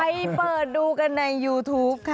ไปเปิดดูกันในยูทูปค่ะ